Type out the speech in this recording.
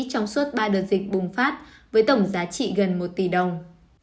trong suốt ba đợt dịch bùng phát với tổng giá trị gần một tỷ đồng